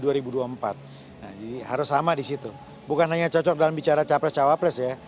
nah jadi harus sama di situ bukan hanya cocok dalam bicara capres cawapres ya